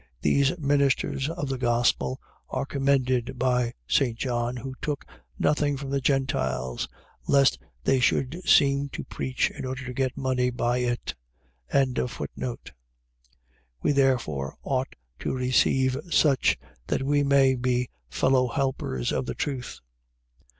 . .These ministers of the gospel are commended by St. John, who took nothing from the Gentiles, lest they should seem to preach in order to get money by it. 1:8. We therefore ought to receive such: that we may be fellow helpers of the truth.